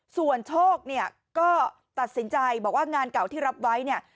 ส่วนโชคเนี่ยก็ตัดสินใจบอกว่างานเก่าที่รับไว้เนี่ย